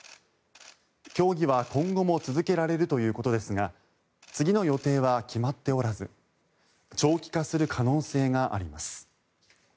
協議は今後も続けられるということですが次の予定は決まっておらず長期化する可能性があります。